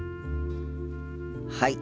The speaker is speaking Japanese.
はい。